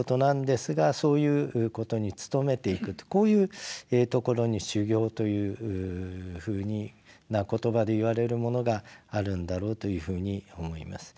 これはとてもこういうところに「修行」というふうな言葉で言われるものがあるんだろうというふうに思います。